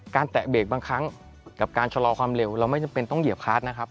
แตะเบรกบางครั้งกับการชะลอความเร็วเราไม่จำเป็นต้องเหยียบคาร์ดนะครับ